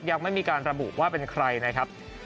ยังไม่มีการระบุว่าเป็นใครนะครับ